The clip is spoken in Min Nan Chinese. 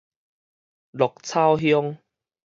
鹿草鄉